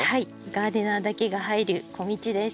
ガーデナーだけが入る小道です。